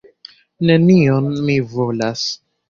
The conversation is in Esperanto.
Nenion mi volas.